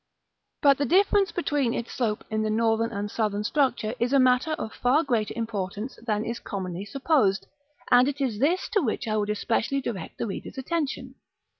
But this difference between its slope in the northern and southern structure is a matter of far greater importance than is commonly supposed, and it is this to which I would especially direct the reader's attention.